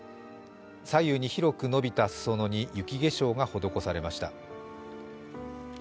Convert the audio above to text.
左右に広く伸びた裾野に雪化粧が施されました。